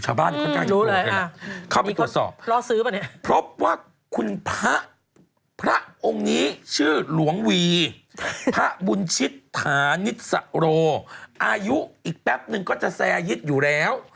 เข้าไปตรวจสอบเพราะว่าคุณพระพระองค์นี้ชื่อหลวงวีพระบุญชิษฐานิสรโลอายุอีกแป๊บนึงก็จะแซร์ยิดอยู่แล้ว